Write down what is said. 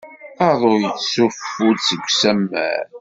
Aḍu yettzuffu-d seg usammar.